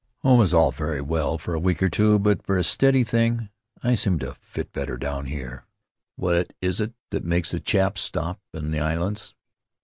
... "Home is all very well for a week or two, but for a steady thing I seem to fit in better down here. What is it that makes a chap stop in the islands?